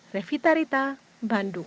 revita rita bandung